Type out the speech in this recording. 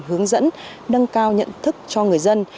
hướng dẫn nâng cao nhận thức cho người dân